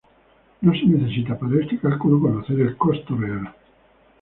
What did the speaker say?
No se necesita para este calculo conocer el costo real.